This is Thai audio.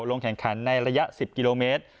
ลงแข่งขันในระยะ๑๐กิโลเมตร